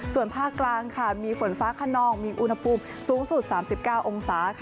ส่วนภาคกลางค่ะมีฝนฟ้าขนองมีอุณหภูมิสูงสุด๓๙องศาค่ะ